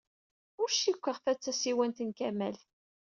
Ur cikkeɣ ta d tasiwant n Kamal.